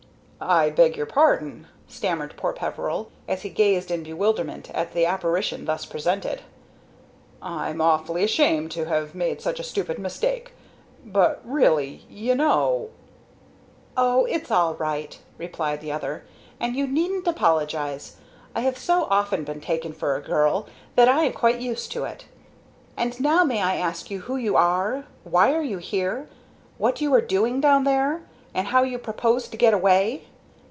"I beg your pardon," stammered poor Peveril, as he gazed in bewilderment at the apparition thus presented. "I'm awfully ashamed to have made such a stupid mistake, but really, you know " "Oh, it's all right," replied the other, "and you needn't apologize. I have so often been taken for a girl that I am quite used to it. And now may I ask who you are? why you are here? what you are doing down there? how you propose to get away?